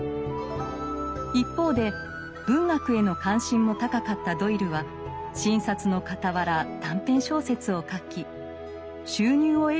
一方で文学への関心も高かったドイルは診察のかたわら短編小説を書き収入を得るようになっていました。